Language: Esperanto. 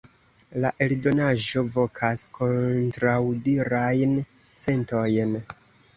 La eldonaĵo vokas kontraŭdirajn sentojn.